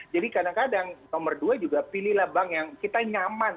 jadi kadang kadang nomor dua juga pilihlah bank yang kita nyaman